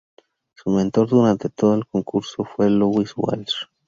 Su mentor durante todo el concurso fue Louis Walsh.